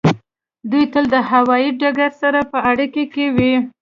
دوی تل د هوایی ډګر سره په اړیکه کې وي